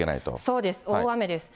そうです、大雨です。